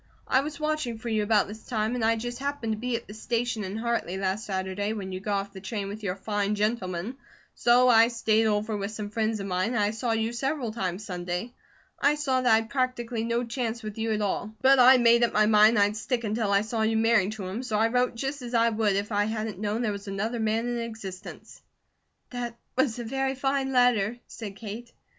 I was watching for you about this time, and I just happened to be at the station in Hartley last Saturday when you got off the train with your fine gentleman, so I stayed over with some friends of mine, and I saw you several times Sunday. I saw that I'd practically no chance with you at all; but I made up my mind I'd stick until I saw you marry him, so I wrote just as I would if I hadn't known there was another man in existence." "That was a very fine letter," said Kate.